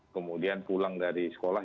kemudian pulang dari sekolah